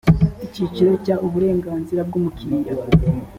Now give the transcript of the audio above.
icyiciro cya uburenganzira bw umukiriya